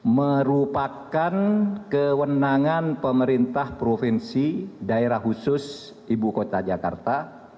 merupakan kewenangan pemerintah provinsi daerah khusus ibu kota jakarta